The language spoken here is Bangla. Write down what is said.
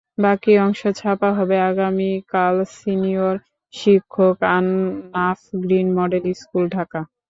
বাকি অংশ ছাপা হবে আগামীকালসিনিয়র শিক্ষকআন নাফ গ্রিন মডেল স্কুল, ঢাকা